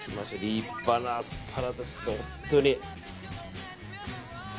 立派なアスパラです、本当に。